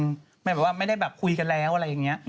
หมายแบบว่าไม่ได้แบบคุยกันแล้วอะไรอย่างนี้